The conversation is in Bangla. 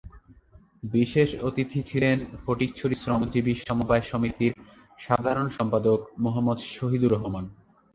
বিশেষ অতিথি ছিলেন ফটিকছড়ি শ্রমজীবী সমবায় সমিতির সাধারণ সম্পাদক মোহাম্মদ শহিদুর রহমান।